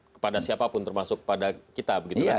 kepada siapapun termasuk pada kita